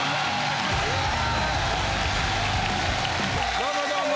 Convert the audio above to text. どうもどうも！